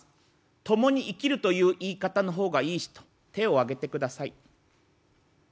『共に生きる』という言い方の方がいい人手を挙げてください」。